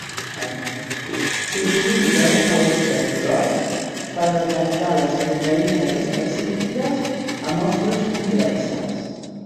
S"utilitza un Western blot per detectar les proteïnes específiques a mostres complexes.